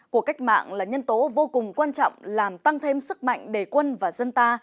cuộc cách mạng là nhân tố vô cùng quan trọng làm tăng thêm sức mạnh để quân và dân ta